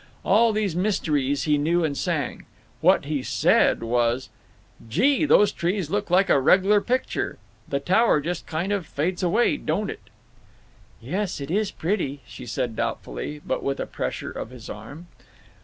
All these mysteries he knew and sang. What he said was: "Gee, those trees look like a reg'lar picture!… The Tower just kind of fades away. Don't it?" "Yes, it is pretty," she said, doubtfully, but with a pressure of his arm.